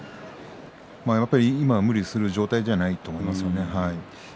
やっぱり今は無理をする状態じゃないと思いますね。